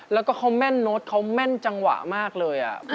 แล้วก็เขาแม่นโน้ตเขาแม่นจังหวะมากเลย